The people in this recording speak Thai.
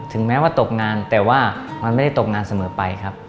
แม้ว่าตกงานแต่ว่ามันไม่ได้ตกงานเสมอไปครับ